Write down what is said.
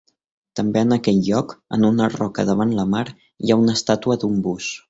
També en aquell lloc, en una roca davant la mar, hi ha una estàtua d'un bus.